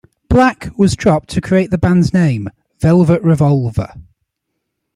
"Black" was dropped to create the band's name, Velvet Revolver.